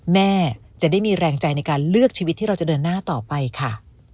แม่จะได้มีแรงใจในการเลือกชีวิตที่เราจะเดินหน้าต่อไปค่ะ